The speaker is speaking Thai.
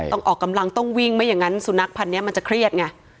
ออกกำลังต้องวิ่งไม่อย่างนั้นสุนัขพันธ์นี้มันจะเครียดไง